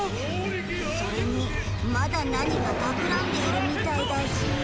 それにまだ何かたくらんでいるみたいだし。